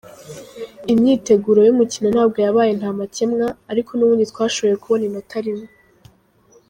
Imyiteguro y'umukino ntabwo yabaye ntamacyemwa, ariko nubundi twashoboye kubona inota rimwe".